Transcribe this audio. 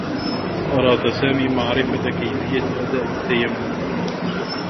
أراد سامي معرفة كيفيّة أداء التّيمّم.